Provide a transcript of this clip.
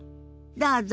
どうぞ。